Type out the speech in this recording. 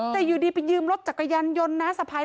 แต่อยู่ดีไปยืมรถจักรยานยนต์น้าสะพาย